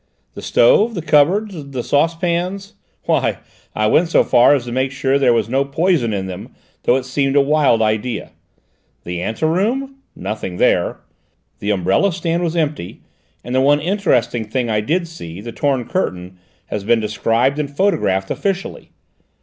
The stove? The cupboards? The saucepans? Why, I went so far as to make sure that there was no poison in them, though it seemed a wild idea. The anteroom? Nothing there: the umbrella stand was empty, and the one interesting thing I did see, the torn curtain, has been described and photographed officially."